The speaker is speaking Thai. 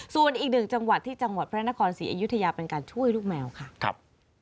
ส่วนอีกหนึ่งจังหวัดที่จังหวัดพระนครศรีอยุธยาเป็นการช่วยลูกแมวค่ะครับ